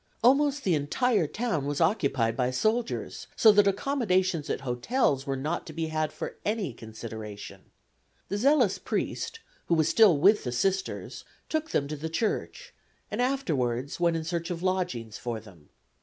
Almost the entire town was occupied by soldiers, so that accommodations at hotels were not to be had for any consideration. The zealous priest, who was still with the Sisters, took them to the church, and afterwards went in search of lodgings for them.